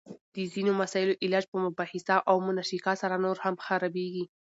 د ځینو مسائلو علاج په مباحثه او مناقشه سره نور هم خرابیږي!